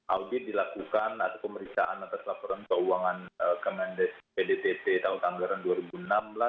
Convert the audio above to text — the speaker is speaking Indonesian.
audit dilakukan atau pemeriksaan atas laporan keuangan kementerian desa pdtt tahun tanggal dua ribu enam belas